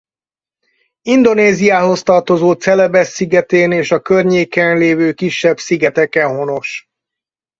Indonéziához tartozó Celebesz szigetén és a környéken lévő kisebb szigeteken honos.